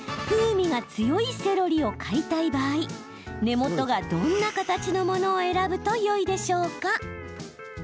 風味が強いセロリを買いたい場合根元がどんな形のものを選ぶとよいでしょうか？